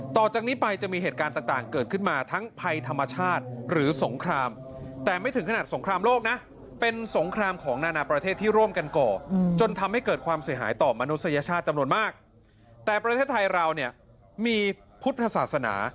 ต่อจากนี้ไปจะมีเหตุการณ์ต่างเกิดขึ้นมา